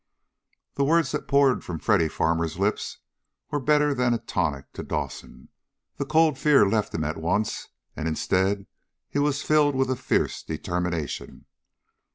The words that poured from Freddy Farmer's lips were better than a tonic to Dawson. The cold fear left him at once, and instead he was filled with a fierce determination.